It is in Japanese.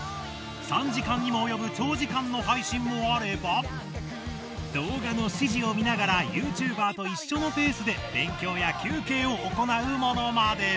３時間にも及ぶ長時間の配信もあれば動画の指示を見ながらＹｏｕＴｕｂｅｒと一緒のペースで勉強や休憩を行うものまで。